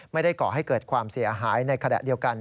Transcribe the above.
ไม่ได้ก่อให้เกิดความเสียหายในคละแดดเดียวกัน